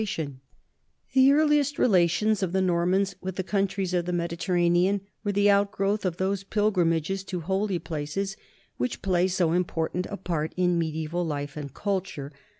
THE NORMANS IN THE SOUTH 193 The earliest relations of the Normans with the coun tries of the Mediterranean were the outgrowth of those pilgrimages to holy places which play so important a part in mediaeval life and literature.